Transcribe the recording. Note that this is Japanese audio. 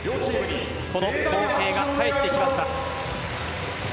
この光景が帰ってきました。